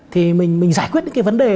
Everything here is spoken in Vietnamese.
thì mình giải quyết những cái vấn đề